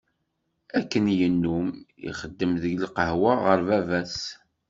Akken yennum, ixeddem deg lqahwa ɣur baba-s.